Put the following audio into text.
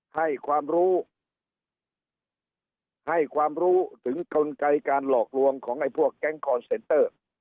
ให้ความรู้ให้ความรู้ถึงกลไกการหลอกลวงของไอ้พวกแก๊งคอนเซนเตอร์